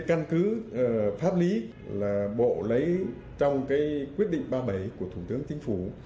căn cứ pháp lý là bộ lấy trong cái quyết định ba mươi bảy của thủ tướng chính phủ